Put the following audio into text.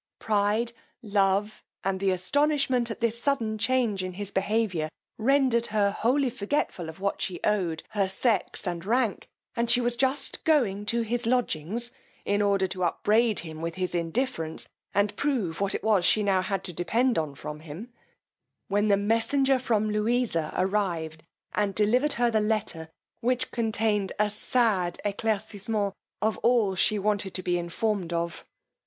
Pride, love, and the astonishment at this sudden change in his behaviour, rendered her wholly forgetful of what she owed her sex and rank; and she was just going to his lodgings, in order to upbraid him with his indifference, and prove what it was she now had to depend on from him, when the messenger from Louisa arrived and delivered her the letter, which contained a sad eclaircisement of all she wanted to be informed of.